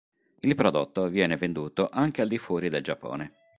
Il prodotto viene venduto anche al di fuori del Giappone.